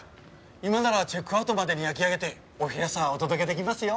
今ならチェックアウトまでに焼き上げてお部屋さお届け出来ますよ。